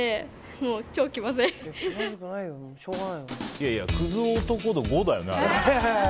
いやいや、クズ男度５だよね。